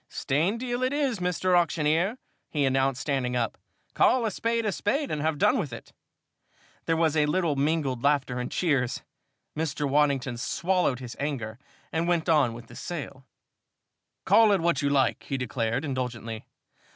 "Stained deal it is, Mr. Auctioneer," he announced, standing up. "Call a spade a spade and have done with it!" There was a little mingled laughter and cheers. Mr. Waddington swallowed his anger and went on with the sale. "Call it what you like," he declared, indulgently.